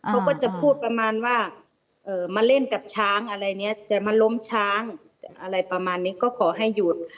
เขาก็จะพูดประมาณว่ามาเล่นกับช้างอะไรเนี่ยจะมาล้มช้างอะไรประมาณนี้ก็ขอให้หยุด